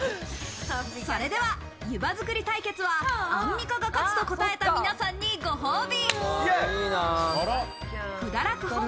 それでは、ゆば作り対決はアンミカが勝つと答えた皆さんにご褒美。